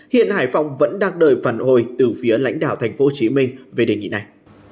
hiện hải phòng vẫn đang đợi phản hồi từ phía lãnh đạo tp hcm về đề nghị này